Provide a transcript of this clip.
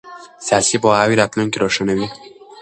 سیاسي پوهاوی راتلونکی روښانوي